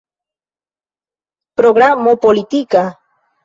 Programo politika?